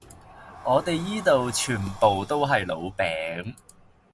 我地依度全部都係老餅